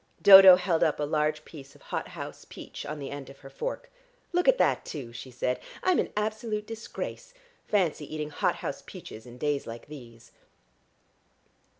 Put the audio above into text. Dodo held up a large piece of hot house peach on the end of her fork. "Look at that, too," she said. "I'm an absolute disgrace. Fancy eating hot house peaches in days like these!"